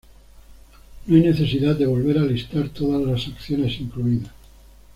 No hay necesidad de volver a listar todas las acciones incluidas.